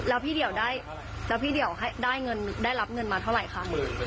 แล้วพี่เดี๋ยวได้พี่เดี๋ยวได้รับเงินมาเท่าไหร่คะ